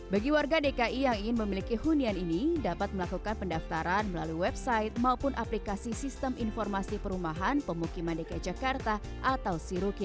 bagi warga dki yang ingin memiliki hunian ini dapat melakukan pendaftaran melalui website maupun aplikasi sistem informasi perumahan pemukiman dki jakarta atau siruki